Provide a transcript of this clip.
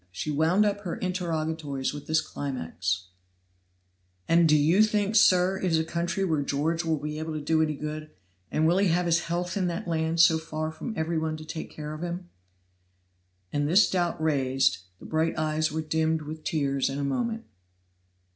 She wound up her interrogatories with this climax: "And do you think, sir, it is a country where George will be able to do any good. And will he have his health in that land, so far from every one to take care of him?" And this doubt raised, the bright eyes were dimmed with tears in a moment.